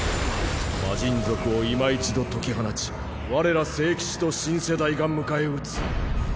魔神族を今一度解き放ち我ら聖騎士と新世代が迎え撃つ。